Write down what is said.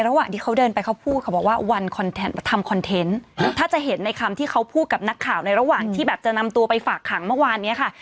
เราพูดกับหนักข่าวในระหว่างที่จะนำตัวไปฝากขังเมื่อวานนี้ค่ะ